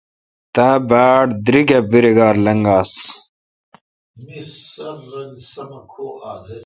تا باڑ دریک اے° بدراگار لنگاس۔